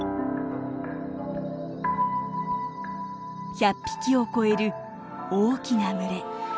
１００匹を超える大きな群れ。